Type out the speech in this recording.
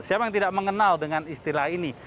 siapa yang tidak mengenal dengan istilah ini